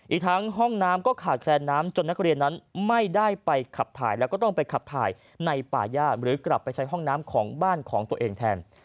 อีกทั้งห้องน้ำก็ขาดแคลนน้ำจนนักเรียนนั้นไม่ได้ไปขับถ่ายแล้วก็ต้องไปขับถ่ายในป่าย่าหรือกลับไปใช้ห้องน้ำของบ้านของตัวเองแทน